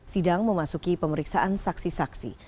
sidang memasuki pemeriksaan saksi saksi